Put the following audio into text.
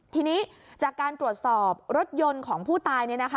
ทีนี้จากการตรวจสอบรถยนต์ของผู้ตาย